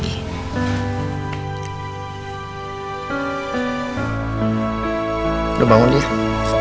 udah bangun dia